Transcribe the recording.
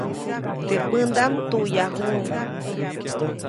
Teʼ pändaʼm tuʼyajuʼuŋ.